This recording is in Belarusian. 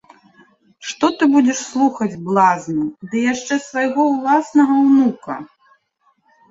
Што ты будзеш слухаць блазна ды яшчэ свайго ўласнага ўнука!